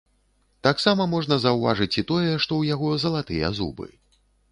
Таксама можна заўважыць і тое, што ў яго залатыя зубы.